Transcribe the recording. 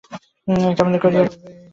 কেমন করিয়া বলিবে সে কী।